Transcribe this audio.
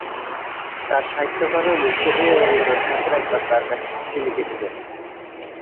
তার সাহিত্যকর্মে মুগ্ধ হয়ে রবীন্দ্রনাথ ঠাকুর একবার তার কাছে চিঠি লিখেছিলেন।